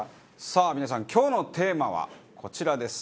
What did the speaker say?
さあ皆さん今日のテーマはこちらです。